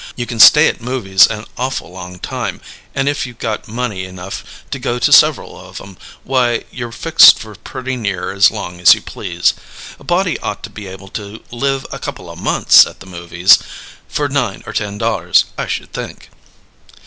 You can stay at movies an awful long time, and if you've got money enough to go to several of 'em, why, you're fixed for pretty near as long as you please. A body ought to be able to live a couple o' months at the movies for nine or ten dollars, I should think."